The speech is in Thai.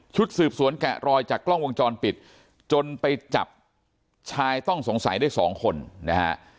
สืบสวนแกะรอยจากกล้องวงจรปิดจนไปจับชายต้องสงสัยได้สองคนนะฮะ